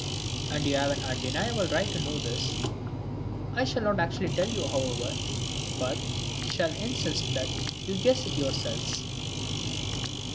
And you have an undeniable right to know this. I shall not actually tell you, however, but shall insist that you guess it yourselves.